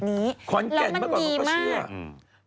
มันมีขวัญแก่นเมื่อก่อนเขาก็เชื่อแล้วมันดีมากอืม